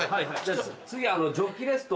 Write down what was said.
ジョッキレスト？